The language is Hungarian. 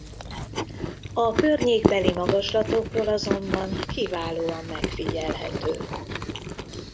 A környékbeli magaslatokról azonban kiválóan megfigyelhető.